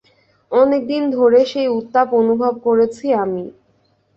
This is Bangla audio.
অনেকদিন ধরে সেই উত্তাপ অনুভব করেছি আমি।